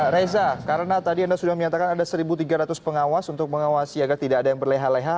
reza karena tadi anda sudah menyatakan ada satu tiga ratus pengawas untuk mengawasi agar tidak ada yang berleha leha